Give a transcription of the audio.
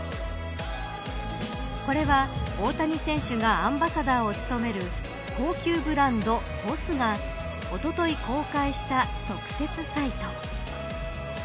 これは大谷選手がアンバサダーを務める高級ブランドＢＯＳＳがおととい公開した特設サイト。